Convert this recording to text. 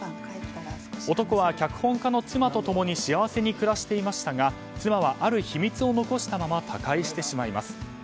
男は脚本家の妻とともに幸せに暮らしていましたが妻はある秘密を残したまま他界してしまいます。